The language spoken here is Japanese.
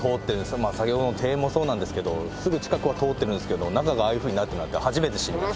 先ほどの庭園もそうなんですけどすぐ近くは通ってるんですけど中がああいうふうになってるなんて初めて知りました。